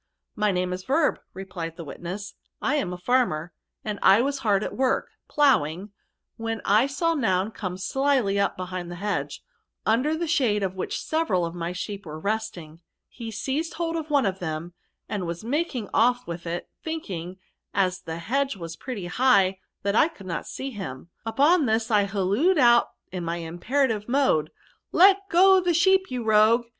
'*• My name is Verb,' replied the witness ;* I am a farmer, and I was hard at wovk, ploughing, when I saw Noun come slyly up, behind the hedge, under the shade of which several of my sheep were resting* He seized hold of one of them, and was making off wkh il, thinking, as the hedge was pret^ ho^h, that I could not see him. Upon this I hal loed out in my imperative mode, ^ Let go the sheep, you rogue